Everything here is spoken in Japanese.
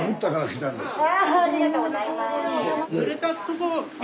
ありがとうございます。